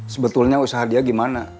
sebetulnya usaha dia gimana